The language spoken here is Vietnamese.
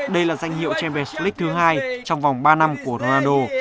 đây là danh hiệu champions league thứ hai trong vòng ba năm của ronaldo